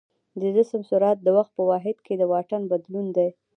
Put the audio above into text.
د جسم سرعت د وخت په واحد کې د واټن بدلون دی.